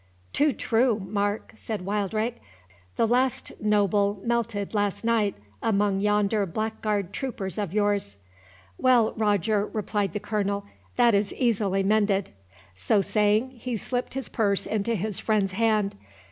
"Too true, Mark," said Wildrake; "the last noble melted last night among yonder blackguard troopers of yours." "Well, Roger," replied the Colonel, "that is easily mended." So saying, he slipped his purse into his friend's hand.